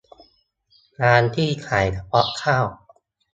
ร้านที่ขายเฉพาะข้าว